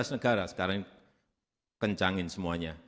sembilan belas negara sekarang ini kencangin semuanya